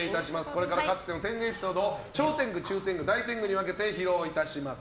これからかつての天狗エピソードを小天狗、中天狗、大天狗に分けて披露いたします。